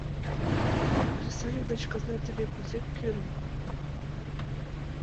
Кресаньык деч казна теве кузе кӱрын.